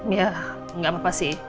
ya nggak apa apa sih